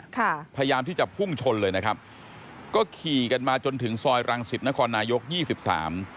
พยายามที่จะพุ่งชนเลยนะครับก็ขี่กันมาจนถึงซอยรังสิตนครนายกยี่สิบสาม